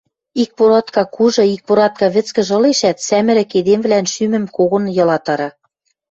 Икпоратка кужы, икпоратка вӹцкӹж ылешӓт, сӓмӹрӹк эдемвлӓн шӱмӹм когон йылатара.